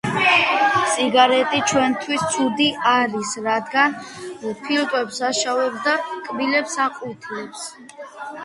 არსებობს მისი საჯარო საუბრების ვიდეო და აუდიო ჩანაწერები.